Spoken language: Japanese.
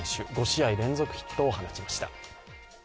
５試合連続ヒットを放ちました。